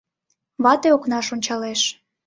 Вате окнаш ончалеш...